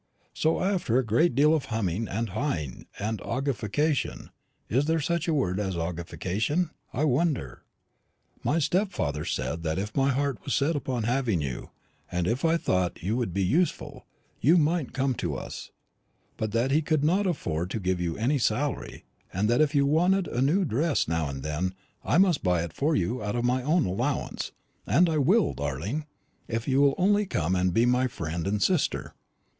So, after a great deal of humming, and haing, and argufication is there such a word as 'argufication,' I wonder? my stepfather said that if my heart was set upon having you, and if I thought you would be useful, you might come to us; but that he could not afford to give you any salary, and that if you wanted a new dress now and then, I must buy it for you out of my own allowance; and I will, darling, if you will only come and be my friend and sister.